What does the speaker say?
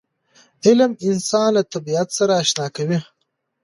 علم انسان له طبیعت سره اشنا کوي.